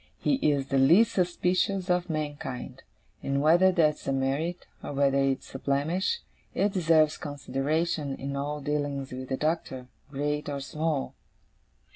He is the least suspicious of mankind; and whether that's a merit, or whether it's a blemish, it deserves consideration in all dealings with the Doctor, great or small.